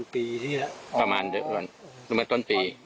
ประมาณเดิมต้นปี